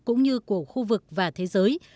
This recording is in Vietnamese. cũng như của khu vực và thế giới